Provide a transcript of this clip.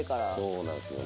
そうなんすよね。